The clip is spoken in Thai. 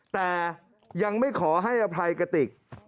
แต่ยังไม่ขอให้อภัยกติก